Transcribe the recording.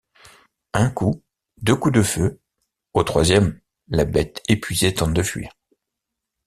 Un coup, deux coups de feu, au troisième, la bête épuisée tente de fuir.